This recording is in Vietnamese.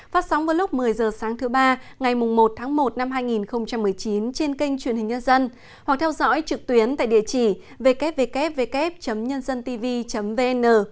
phát sóng vào lúc một mươi h sáng thứ ba ngày một tháng một năm hai nghìn một mươi chín trên kênh truyền hình nhân dân hoặc theo dõi trực tuyến tại địa chỉ ww nhândântv vn